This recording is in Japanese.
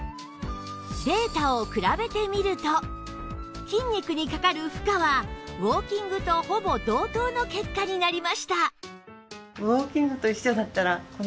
データを比べてみると筋肉にかかる負荷はウォーキングとほぼ同等の結果になりました